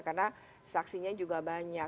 karena saksinya juga banyak